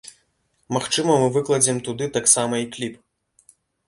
Магчыма мы выкладзем туды таксама і кліп.